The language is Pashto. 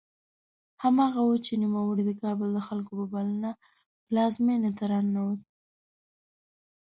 هماغه و چې نوموړی د کابل د خلکو په بلنه پلازمېنې ته راننوت.